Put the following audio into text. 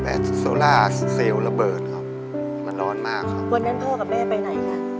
แต่โซล่าเซลล์ระเบิดครับมันร้อนมากครับวันนั้นพ่อกับแม่ไปไหนค่ะ